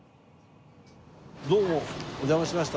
どうもお邪魔しました。